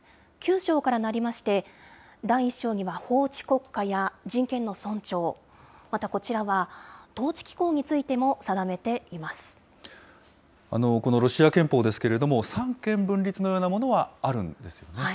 ９条からなりまして、第１章には、法治国家や人権の尊重、またこちらは統治機構についても定めていこのロシア憲法ですけれども、三権分立のようなものはあるんですよね。